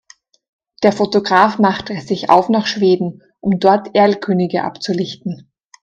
Der Fotograf machte sich auf nach Schweden, um dort Erlkönige abzulichten.